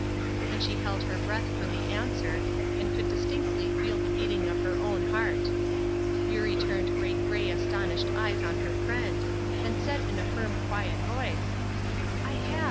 And she held her breath for the answer, and could distinctly feel the beating of her own heart. Eurie turned great gray astonished eyes on her friend, and said in a firm quiet voice: "I have.